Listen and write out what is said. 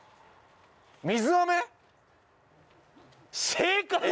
正解！